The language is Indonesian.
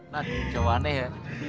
nah jauh aneh ya